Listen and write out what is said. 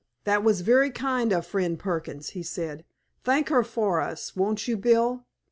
"That was very kind of Friend Perkins," he said. "Thank her for us, won't you, Bill?